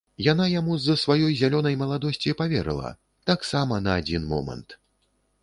Яна яму з-за сваёй зялёнай маладосці паверыла, таксама на адзін момант.